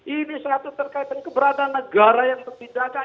ini satu terkait dengan keberadaan negara yang berpindahkan